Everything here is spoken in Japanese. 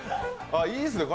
ああ、いいですね